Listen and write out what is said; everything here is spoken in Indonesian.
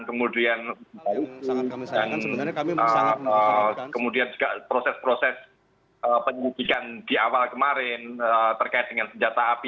kemudian juga proses proses penyelidikan di awal kemarin terkait dengan senjata api